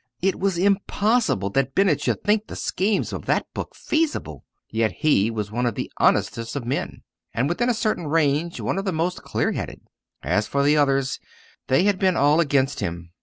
It was impossible that Bennett should think the schemes of that book feasible! Yet he was one of the honestest of men, and, within a certain range, one of the most clear headed. As for the others, they had been all against him.